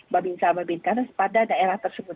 babinsa babing kapitas pada daerah tersebut